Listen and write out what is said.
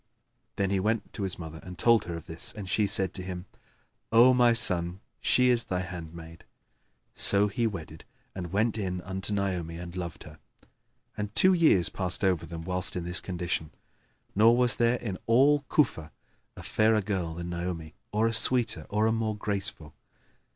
Then he went to his mother and told her of this, and she said to him, "O my son, she is thy handmaid." So he wedded and went in unto Naomi and loved her; and two[FN#4] years passed over them whilst in this condition, nor was there in all Cufa a fairer girl than Naomi, or a sweeter or a more graceful.